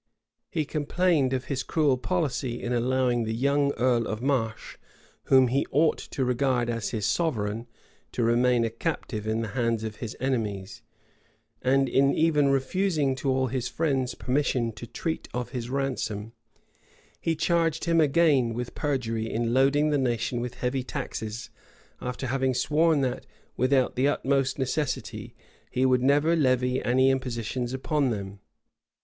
He complained of his cruel policy in allowing the young earl of Marche, whom he ought to regard as his sovereign, to remain a captive in the hands of his enemies, and in even refusing to all his friends permission to treat of his ransom; He charged him again with perjury in loading the nation with heavy taxes, after having sworn that, without the utmost necessity, he would never levy any impositions upon them.